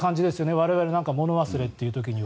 我々なんか物忘れという時には。